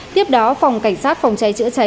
tiếp đó phòng cảnh sát phòng cháy chữa cháy